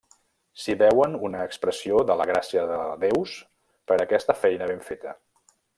S'hi veuen una expressió de la gràcia de Déus per a aquesta feina ben feta.